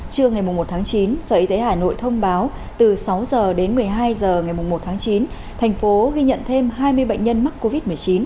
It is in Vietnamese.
trưa ngày một tháng chín sở y tế hà nội thông báo từ sáu h đến một mươi hai h ngày một tháng chín thành phố ghi nhận thêm hai mươi bệnh nhân mắc covid một mươi chín